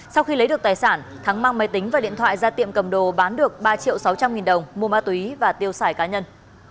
sau khi lấy được tài sản thắng mang máy tính và điện thoại ra tiệm cầm đồ bán được ba triệu sáu trăm linh nghìn đồng mua ma túy và tiêu xài cá nhân